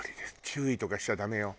注意とかしちゃダメよ。